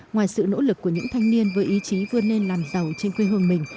ngoài sự nỗ lực của những thanh niên với ý chí vươn lên làm giàu trên quê hương mình